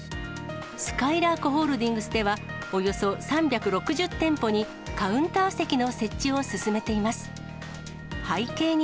すかいらーくホールディングスでは、およそ３６０店舗にカウンター席の設置を進めています。